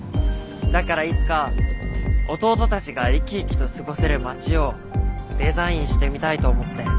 だからいつか弟たちが生き生きと過ごせる街をデザインしてみたいと思って。